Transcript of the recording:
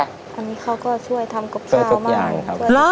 ตอนนี้เขาก็ช่วยทำกับข้าวบ้าง